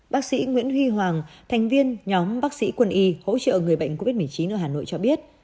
bác sĩ nguyễn huy hoàng thành viên nhóm bác sĩ quân y hỗ trợ người bệnh covid một mươi chín ở hà nội cho biết